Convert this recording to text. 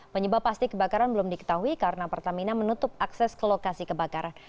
penyebab pasti kebakaran belum diketahui karena pertamina menutup akses ke lokasi kebakaran